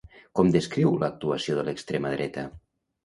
Com descriu l'actuació de l'extrema dreta?